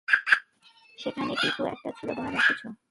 সেখানে কিছু একটা ছিল, ভয়ানক কিছু।